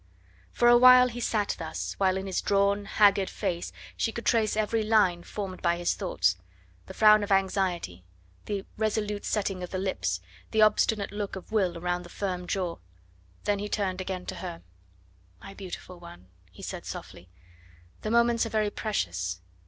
For a while he sat thus, while in his drawn and haggard face she could trace every line formed by his thoughts the frown of anxiety, the resolute setting of the lips, the obstinate look of will around the firm jaw. Then he turned again to her. "My beautiful one," he said softly, "the moments are very precious.